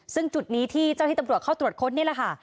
ซึ่งจุดนี้ที่เจ้าที่ตำรวจเข้าตรวจค้นนี่แหละค่ะ